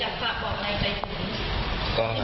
ไม่เป็นไรไม่เป็นไรครับ